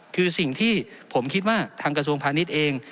คือสิ่งที่ผมคิดว่าทางกระทรวงพาณิชย์เอง